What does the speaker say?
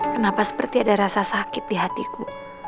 kenapa seperti ada rasa sakit di hatiku